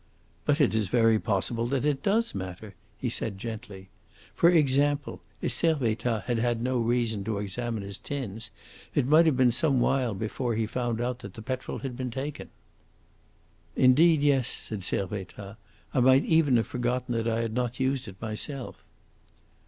"But it is very possible that it does matter," he said gently. "For example, if Servettaz had had no reason to examine his tins it might have been some while before he found out that the petrol had been taken." "Indeed, yes," said Servettaz. "I might even have forgotten that I had not used it myself."